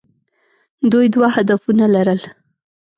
دوی دوه هدفونه لرل.